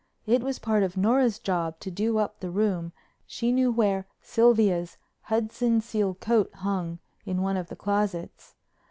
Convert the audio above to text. It was part of Nora's job to do up the room and she knew where Sylvia's Hudson seal coat hung in one of the closets.